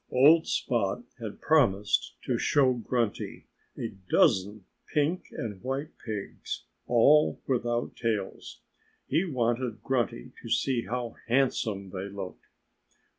Old Spot had promised to show Grunty a dozen pink and white pigs, all without tails. He wanted Grunty to see how handsome they looked.